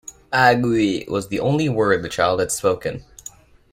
'Aghwee' was the only word the child had spoken.